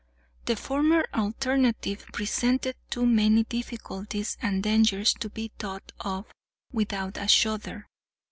The former alternative presented too many difficulties and dangers to be thought of without a shudder.